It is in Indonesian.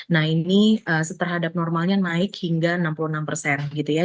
nah ini terhadap normalnya naik hingga enam puluh enam persen gitu ya